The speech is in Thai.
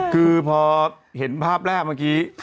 คือพอเห็นภาพแรกเมื่อกี้